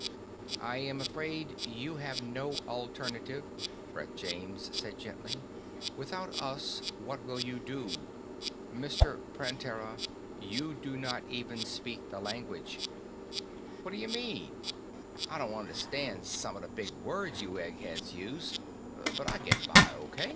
"I am afraid you have no alternative," Brett James said gently. "Without us, what will you do? Mr. Prantera, you do not even speak the language." "What'd'ya mean? I don't understand summa the big words you eggheads use, but I get by O.